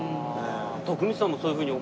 徳光さんもそういうふうに思われて。